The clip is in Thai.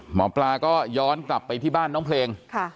หมอปลาก็ย้อนกลับไปที่บ้านน้องเพลง